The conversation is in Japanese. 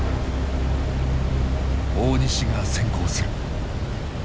大西が先行する。